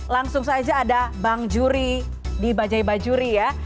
langsung saja ada bang juri di bajai bajuri ya